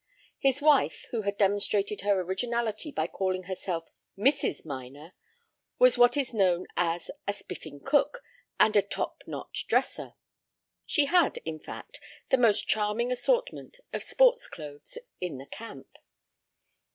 His wife, who had demonstrated her originality by calling herself Mrs. Minor, was what is known as a spiffing cook and a top notch dresser. She had, in fact, the most charming assortment of sports clothes in the camp.